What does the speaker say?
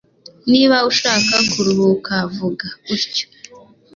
Niba ushaka kuruhuka, vuga utyo.